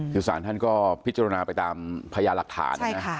สถานท่านก็พิจารณาไปตามพญาหลักฐาน